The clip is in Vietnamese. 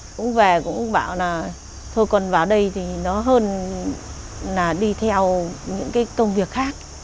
cũng về cũng bảo là thôi còn vào đây thì nó hơn là đi theo những cái công việc khác